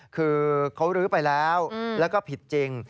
คือเขาลื้อไปแล้วแล้วก็ผิดจริง